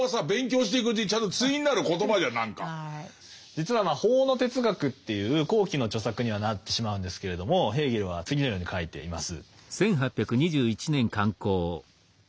実は「法の哲学」っていう後期の著作にはなってしまうんですけれどもヘーゲルは次のように書いています。